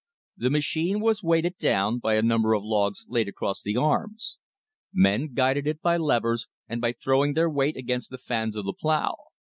The machine was weighted down by a number of logs laid across the arms. Men guided it by levers, and by throwing their weight against the fans of the plow.